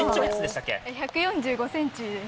１４５ｃｍです。